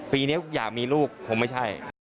ปีนี้อยากมีลูกคงไม่ใช่